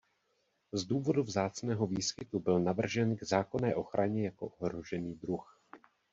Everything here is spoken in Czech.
Z důvodu vzácného výskytu byl navržen k zákonné ochraně jako ohrožený druh.